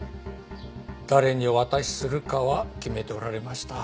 誰にお渡しするかは決めておられました。